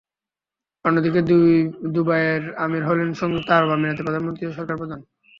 অন্যদিকে দুবাইয়ের আমীর হলেন সংযুক্ত আরব আমিরাতের প্রধানমন্ত্রী ও সরকার প্রধান।